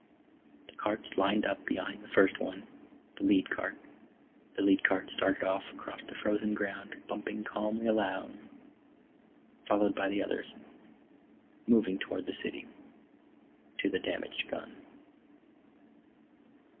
The carts lined up behind the first one, the lead cart. The lead cart started off, across the frozen ground, bumping calmly along, followed by the others. Moving toward the city. To the damaged gun.